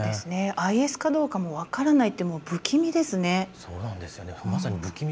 ＩＳかどうかも分からないってもう、不気味ですね。